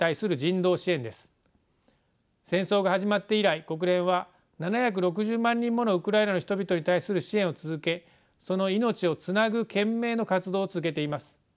戦争が始まって以来国連は７６０万人ものウクライナの人々に対する支援を続けその命をつなぐ懸命の活動を続けています。